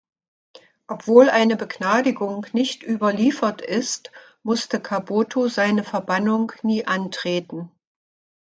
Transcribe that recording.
Obwohl eine Begnadigung nicht überliefert ist, musste Caboto seine Verbannung nie antreten.